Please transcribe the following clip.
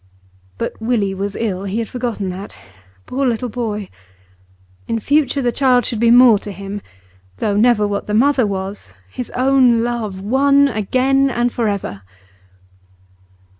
But Willie was ill; he had forgotten that. Poor little boy! In future the child should be more to him; though never what the mother was, his own love, won again and for ever.